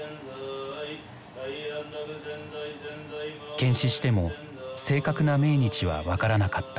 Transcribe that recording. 検視しても正確な命日は分からなかった。